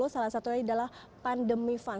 salah satunya adalah pandemi fund